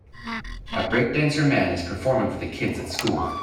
a breakdancer man is performing for the kids at school